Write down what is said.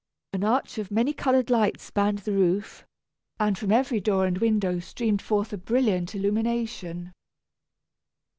An arch of many colored lights spanned the roof, and from every door and window streamed forth a brilliant illumination.